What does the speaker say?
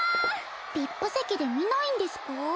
ＶＩＰ席で見ないんですか？